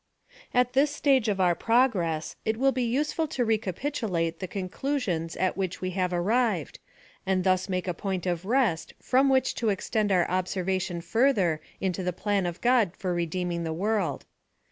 At this stage of our progress it will be useful bo recapitulate the conclusions at which we have arrived, and thus make a point of rest from which to extend our observation further into the plan of God for redeeming the world.